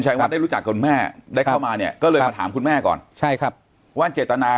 วัดได้รู้จักจนแม่ได้เข้ามาเนี่ยก็เลยมาถามคุณแม่ก่อนใช่ครับว่าเจตนา